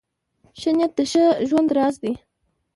ښه نیت د ښه ژوند راز دی .